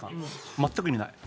全く意味ない。